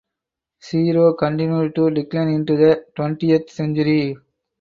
Zero continued to decline into the Twentieth century.